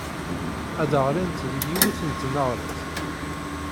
Ad d-ɣlint deg yiwet n tneɣrit.